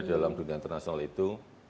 dalam dunia internasional itu